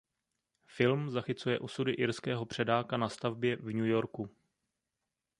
Film zachycuje osudy irského předáka na stavbě v New Yorku.